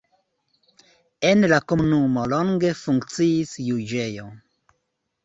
En la komunumo longe funkciis juĝejo.